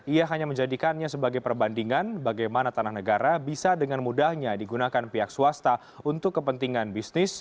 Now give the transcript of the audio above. ia hanya menjadikannya sebagai perbandingan bagaimana tanah negara bisa dengan mudahnya digunakan pihak swasta untuk kepentingan bisnis